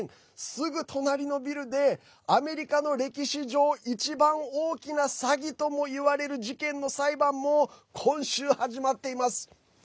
すぐ隣のビルでアメリカの歴史上一番大きな詐欺ともいわれる事件の裁判も今週始まっています。